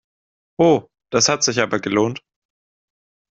Oh, das hat sich aber gelohnt!